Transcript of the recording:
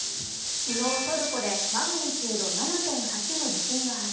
昨日トルコでマグニチュード７．８の地震が発生。